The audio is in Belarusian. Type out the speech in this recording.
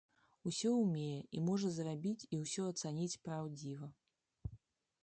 Усё умее і можа зрабіць і ўсё ацаніць праўдзіва.